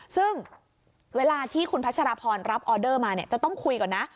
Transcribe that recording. ซึ่งเวลาที่คุณพัชรพรรับออเดอร์มาเนี่ยจะต้องคุยก่อนนะ